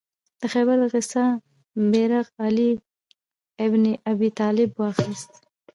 د خیبر د غزا بیرغ علي ابن ابي طالب واخیست.